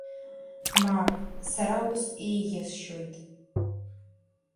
Маап, сара ус еиӷьасшьоит!